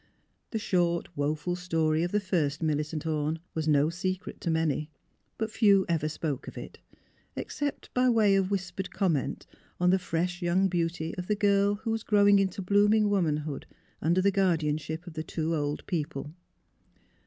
The short, woful story of the first Millicent Orne was no secret to many ;— but few ever spoke of it, ex 86 THE HEAET OF PHILURA cept by way of whispered comment on the fresh young beauty of the girl who was growing into blooming womanhood under the guardianship of the two old people.